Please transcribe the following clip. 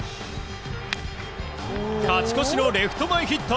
勝ち越しのレフト前ヒット。